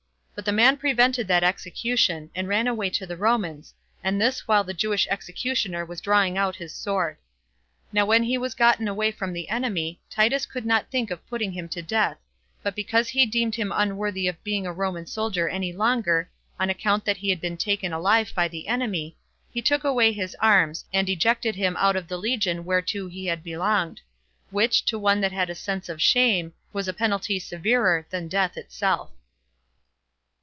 But the man prevented that execution, and ran away to the Romans, and this while the Jewish executioner was drawing out his sword. Now when he was gotten away from the enemy, Titus could not think of putting him to death; but because he deemed him unworthy of being a Roman soldier any longer, on account that he had been taken alive by the enemy, he took away his arms, and ejected him out of the legion whereto he had belonged; which, to one that had a sense of shame, was a penalty severer than death itself.